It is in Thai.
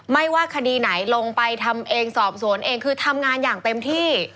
ว่าคดีไหนลงไปทำเองสอบสวนเองคือทำงานอย่างเต็มที่